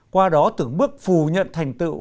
qua đó từng bước phù nhận thành tựu